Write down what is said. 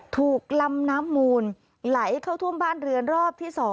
ถูกลำน้ำมูลไหลเข้าท่วมบ้านเรือนรอบที่๒